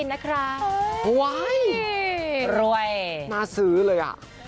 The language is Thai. น่าซื้อเลย